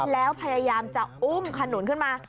แล้วพยายามจะอุ้มขนุนขึ้นมา